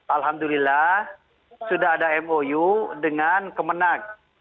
alhamdulillah sudah ada mou dengan kemenang